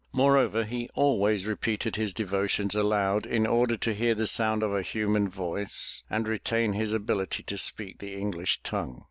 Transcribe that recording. Moreover he always repeated his devotions aloud in order to hear the sound of a human voice and retain his ability to speak the English tongue.